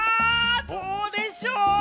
どうでしょう？